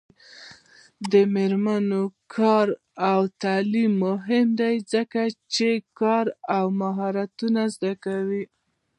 د میرمنو کار او تعلیم مهم دی ځکه چې کار مهارتونو زدکړه کوي.